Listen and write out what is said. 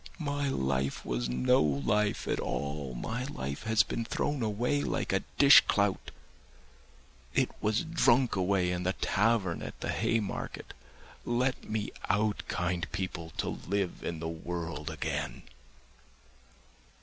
My life was no life at all; my life has been thrown away like a dish clout; it was drunk away in the tavern at the Haymarket; let me out, kind people, to live in the world again.